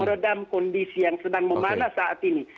meredam kondisi yang sedang memanas saat ini